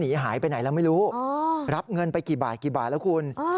หนีหายไปไหนแล้วไม่รู้รับเงินไปกี่บาทกี่บาทแล้วคุณ